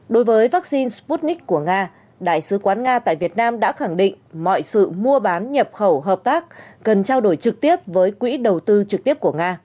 đối với vaccine sputnik của nga đại sứ quán nga tại việt nam đã khẳng định mọi sự mua bán nhập khẩu hợp tác cần trao đổi trực tiếp với quỹ đầu tư trực tiếp của nga